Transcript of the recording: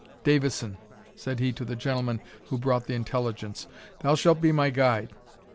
Davidson," said he to the gentleman who brought the intelligence, "thou shalt be my guide.